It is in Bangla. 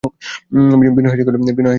বিনয় হাসিয়া কহিল, কুকুর?